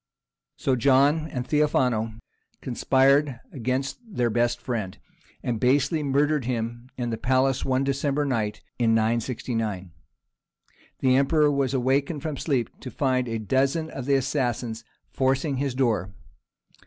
_) So John and Theophano conspired against their best friend, and basely murdered him in the palace one December night in 969. The Emperor was awakened from sleep to find a dozen of the assassins forcing his door.